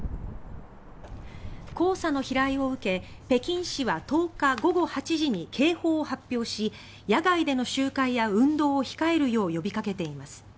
黄砂の飛来を受け北京市は１０日午後８時に警報を発表し野外での集会や運動を控えるよう呼びかけています。